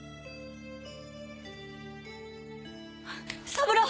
三郎！